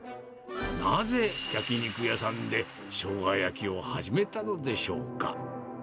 なぜ焼き肉屋さんで、しょうが焼きを始めたのでしょうか。